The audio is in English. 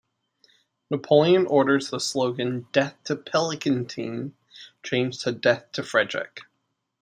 Napoleon orders the slogan "Death to Pilkington" changed to "Death to Frederick".